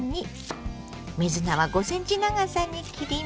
水菜は５ｃｍ長さに切ります。